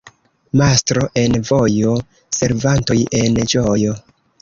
Mastro en vojo — servantoj en ĝojo.